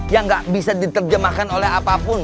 yang gak bisa diterjemahkan oleh apapun